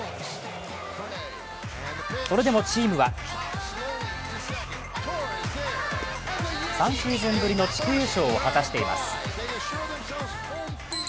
それでもチームは３シーズンぶりの地区優勝を果たしています。